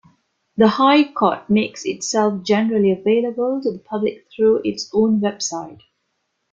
The High Court makes itself generally available to the public through its own website.